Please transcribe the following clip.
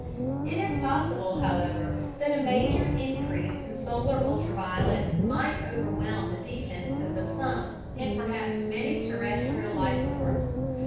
It is possible, however, that a major increase in solar ultraviolet might overwhelm the defenses of some and perhaps many terrestrial life forms.